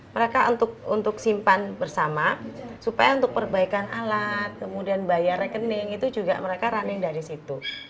mereka untuk simpan bersama supaya untuk perbaikan alat kemudian bayar rekening itu juga mereka running dari situ